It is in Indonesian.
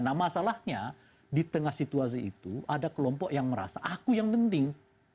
nah masalahnya di tengah situasi itu ada kelompok yang merasa aku yang penting